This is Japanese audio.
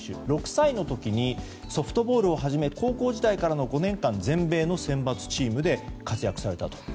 ６歳の時にソフトボールを始め高校時代からの５年間全米の選抜チームで活躍されたと。